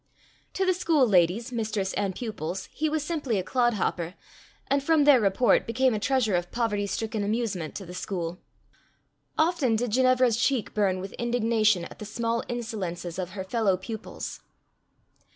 To the school ladies, mistress and pupils, he was simply a clodhopper, and from their report became a treasure of poverty stricken amusement to the school. Often did Ginevra's cheek burn with indignation at the small insolences of her fellow pupils.